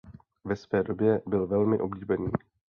Ve své době byl velmi oblíbený.